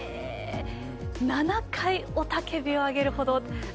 ７回、雄たけびを上げるほど。